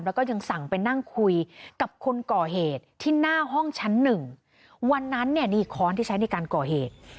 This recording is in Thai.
แล้วก็ยังสั่งไปนั่งคุยกับคนก่อเหตุที่หน้าห้องชั้นหนึ่งวันนั้นเนี่ยนี่ค้อนที่ใช้ในการก่อเหตุ